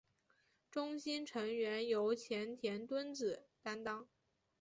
中心成员由前田敦子担当。